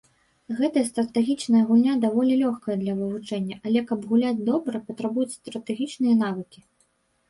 Гэтая стратэгічная гульня даволі лёгкая для вывучэння, але каб гуляць добра патрабуюцца стратэгічныя навыкі.